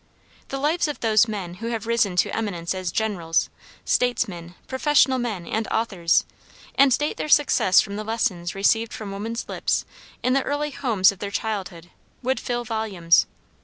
The lives of those men who have risen to eminence as generals, statesmen, professional men, and authors, and date their success from the lessons received from woman's lips in the early homes of their childhood, would fill volumes.